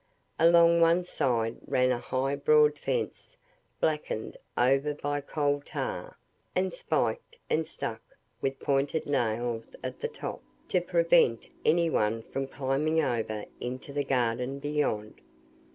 Along one side ran a high broad fence, blackened over by coal tar, and spiked and stuck with pointed nails at the top, to prevent any one from climbing over into the garden beyond.